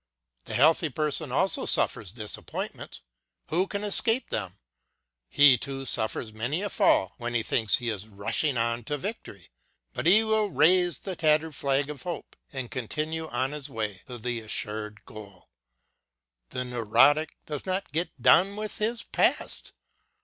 The healthy person also suffers disappointments — who can escape them ?— ^he too suffers many a fall when he thinks he is rushing on to victory, but he will raise the tattered flag of hope and continue on his way to the assured goal. The neurotic does not get done with his past.